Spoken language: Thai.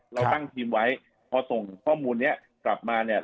เราตั้งทีมไว้พอส่งข้อมูลนี้กลับมาเนี่ย